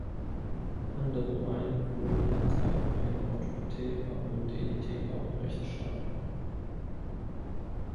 Andere meinen, Kolumbien sei ein autoritärer und elitärer Unrechtstaat.